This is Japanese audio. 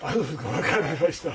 分かりましたはい。